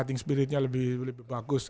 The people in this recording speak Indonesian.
paling spiritnya lebih bagus